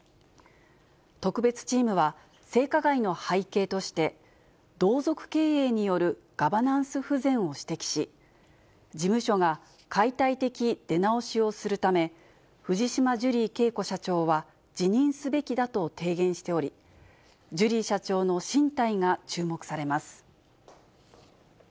特別チームは性加害の背景として、同族経営によるガバナンス不全を指摘し、事務所が解体的出直しをするため、藤島ジュリー景子社長は辞任すべきだと提言しており、ジュリー社長の進退が注目されます。